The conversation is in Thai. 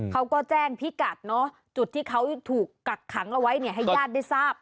เขาก็แจ้งพิกัดเนอะจุดที่เขาถูกกักขังเอาไว้เนี่ยให้ญาติได้ทราบ